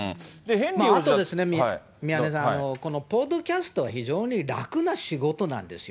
あと、宮根さん、このポッドキャストは非常に楽な仕事なんですよ。